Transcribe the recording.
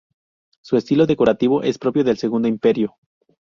Su estilo decorativo es propio del Segundo Imperio.